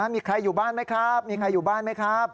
มีใครอยู่บ้านไหมครับ